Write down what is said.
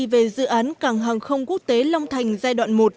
về dự án cảng hàng không quốc tế long thành giai đoạn một